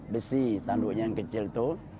besi tanduknya yang kecil itu